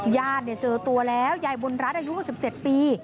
ญาติเจอตัวแล้วยายบุญรัฐอายุ๖๗ปี